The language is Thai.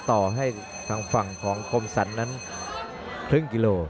ต่อให้ทางฝั่งของคมสรรนั้นครึ่งกิโล